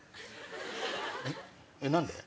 えっ？何で？